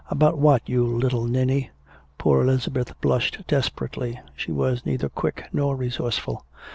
"About what, you little ninny?" Poor Elizabeth blushed desperately. She was neither quick nor resourceful.